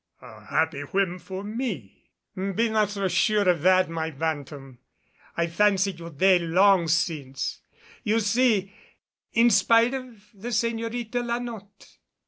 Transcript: "A happy whim for me." "Be not so sure of that, my bantam. I fancied you dead long since, you see, in spite of the Señorita La Notte.